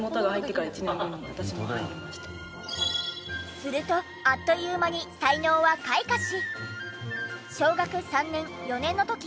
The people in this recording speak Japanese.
するとあっという間に才能は開花し。